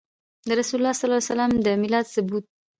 د رسول اکرم صلی الله عليه وسلم د ميلاد ثبوت